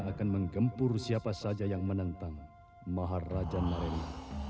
akan menggempur siapa saja yang menentang maharaja nareng